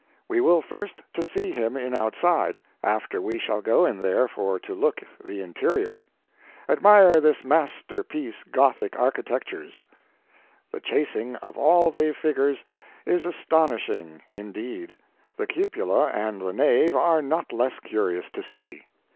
We will first to see him in oudside, after we shall go in there for to look the interior. Admire this master piece gothic architecture's. The chasing of all they figures is astonishing' indeed. The cupola and the nave are not less curious to see.